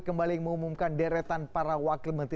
kembali mengumumkan deretan para wakil menteri